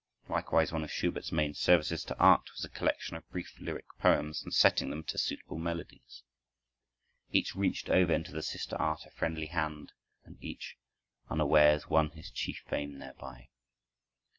Likewise, one of Schubert's main services to art was the collection of brief lyric poems and setting them to suitable melodies. Each reached over into the sister art a friendly hand, and each, unawares, won his chief fame thereby.